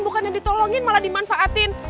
bukan yang ditolongin malah dimanfaatin